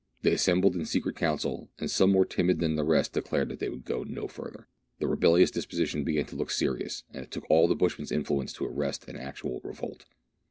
They assembled in secret council, and some more timid than the rest declared they would go no farther. The rebellious dis position began to look serious, and it took all the bushman 's influence to arrest an actual revolt.